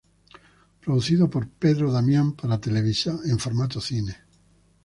Producida por Pedro Damián para Televisa en formato cine.